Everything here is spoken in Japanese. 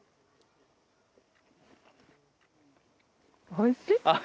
おいしい！